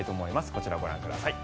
こちら、ご覧ください。